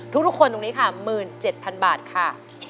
ทุกคนตรงนี้ค่ะ๑๗๐๐บาทค่ะ